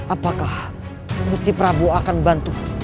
apakah musti prapu akan membantu